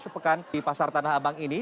sepekan di pasar tanah abang ini